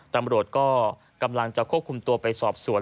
ตำรวจก็กำลังจะควบคุมตัวไปสอบสวน